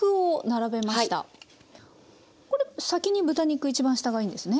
これ先に豚肉一番下がいいんですね。